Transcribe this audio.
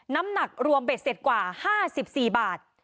น้ำหนักรวมเบ็ดเสร็จกว่า๕๔บาท